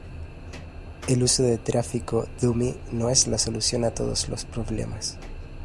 El uso de tráfico dummy no es la solución a todos los problemas.